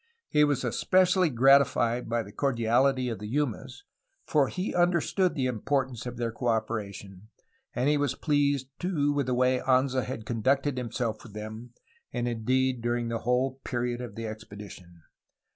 He was especially gratified by the cordiaUty of the Yumas, for he understood the importance of their co operation, and he was pleased too with the way Anza had conducted himself with them and indeed during the whole period of the expedition.